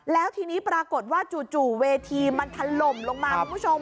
แล้วทีนี้ปรากฏว่าจู่เวทีมันถล่มลงมาคุณผู้ชม